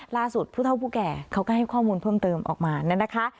ผู้เท่าผู้แก่เขาก็ให้ข้อมูลเพิ่มเติมออกมานะคะ